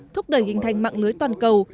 thúc đẩy hình thành mạng lưới toàn cầu